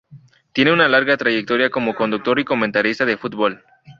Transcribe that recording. Tiene una larga trayectoria como conductor y comentarista de fútbol.